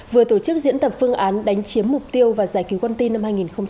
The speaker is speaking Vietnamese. vừa tổ chức diễn tập phương án đánh chiếm mục tiêu và giải cứu quan tin năm hai nghìn một mươi sáu